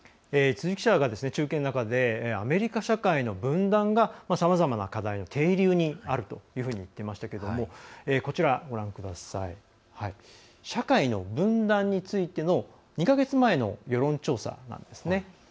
辻記者が、中継の中でアメリカ社会の分断がさまざまな課題の底流にあるというふうに言っていましたが社会の分断についての２か月前の世論調査なんですね。